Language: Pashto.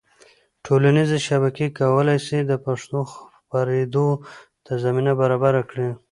ټولنیزې شبکې کولی سي د پښتو خپرېدو ته زمینه برابره کړي.